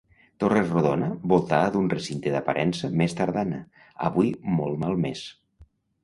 Torre rodona voltada d'un recinte d'aparença més tardana, avui molt malmès.